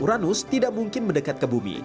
uranus tidak mungkin mendekat ke bumi